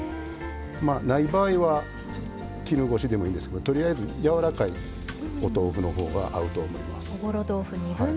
ない場合は絹ごしでもいいんですけどとりあえず、やわらかいお豆腐のほうがいいと思います。